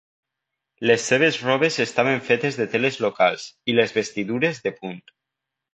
Les seves robes estaven fetes de teles locals i les vestidures de punt.